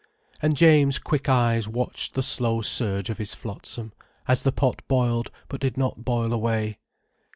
And James' quick eyes watched the slow surge of his flotsam, as the pot boiled but did not boil away.